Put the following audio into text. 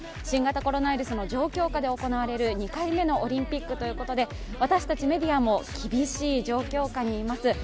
新型コロナウイルスの状況下で行われる２回目のオリンピックということで私たちメディアも厳しい状況下にいます。